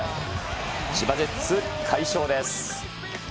千葉ジェッツ、快勝です。